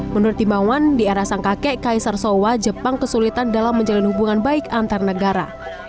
menurut timawan di era sang kakek kaisar sowa jepang kesulitan dalam menjalin hubungan baik antar negara